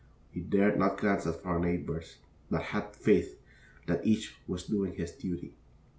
We dared not glance at our neighbors, but had faith that each was doing his duty.